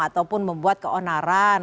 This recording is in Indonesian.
ataupun membuat keonaran